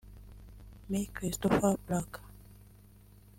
Me Christopher Black